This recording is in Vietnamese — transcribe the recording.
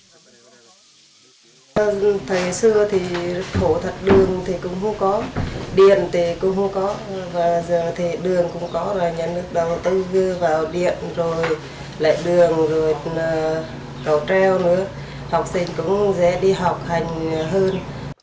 thời xưa thì khổ thật đường thì cũng không có điện thì cũng không có và giờ thì đường cũng có rồi nhà nước đầu tư vươn vào điện rồi lại đường rồi cầu treo nữa học sinh cũng dễ đi học hành hơn